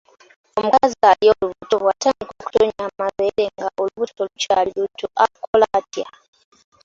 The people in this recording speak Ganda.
Omukazi ali olubuto bw'atandika okutonnya amabeere nga olubuto lukyali luto akola atya?